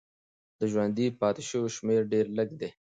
د ژوندي پاتې سویو شمېر ډېر لږ دی.